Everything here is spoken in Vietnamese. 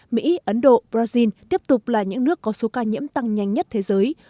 mỹ ấn độ brazil tiếp tục là những nước có số ca nhiễm tăng nhanh nhất thế giới